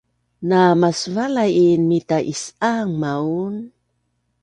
namasvalain mita is’aang maun